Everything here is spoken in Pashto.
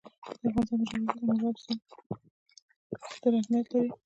د افغانستان په جغرافیه کې مورغاب سیند ستر اهمیت لري.